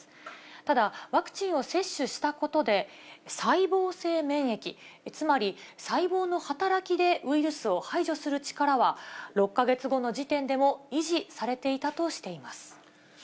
ただ、ワクチンを接種したことで、細胞性免疫、つまり細胞の働きでウイルスを排除する力は、６か月後の時点でも維持されていたとしています。